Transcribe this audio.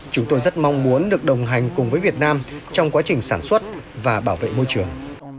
chúng tôi rất mong muốn được đồng hành cùng với việt nam trong quá trình sản xuất và bảo vệ môi trường